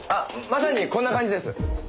まさにこんな感じです。